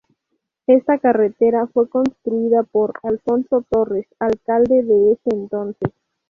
Esta carretera fue construida por Alfonso Torres, alcalde de ese entonces.